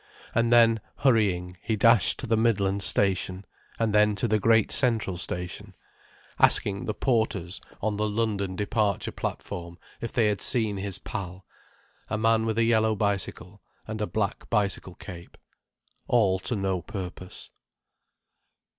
And then, hurrying, he dashed to the Midland Station, and then to the Great Central Station, asking the porters on the London departure platform if they had seen his pal, a man with a yellow bicycle, and a black bicycle cape. All to no purpose.